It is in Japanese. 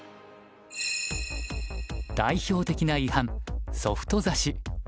代表的な違反ソフト指し。